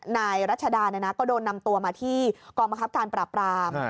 นายรัชดานะนะก็โดนนำตัวมาที่กรมกรับการปราบราม